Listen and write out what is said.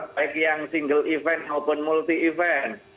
baik yang single event maupun multi event